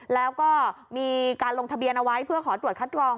แล้วก็มีการลงทะเบียนเอาไว้เพื่อขอตรวจคัดกรอง